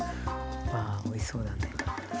うわおいしそうだね。